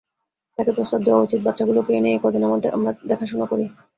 তাকে প্রস্তাব দেয়া উচিৎ বাচ্চাগুলোকে এনে এই কদিন আমরা দেখাশোনা করি।